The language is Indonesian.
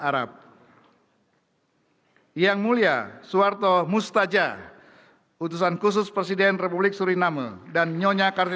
dan nyonya khusus presiden rakyat